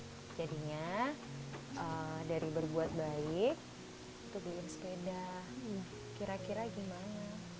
suka nggak dikasih jadinya dari berbuat baik untuk beli sepeda kira kira gimana